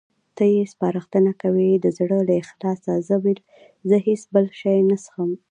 ته یې سپارښتنه کوې؟ د زړه له اخلاصه، زه هېڅ بل شی نه څښم.